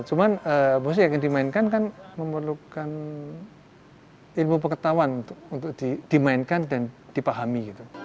cuman musik yang dimainkan kan memerlukan ilmu pengetahuan untuk dimainkan dan dipahami